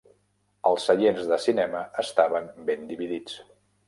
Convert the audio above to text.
Els seients de cinema estaven ben dividits.